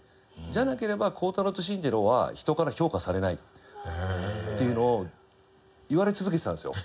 じゃなければ孝太郎と進次郎は人から評価されないっていうのを言われ続けてたんですよ。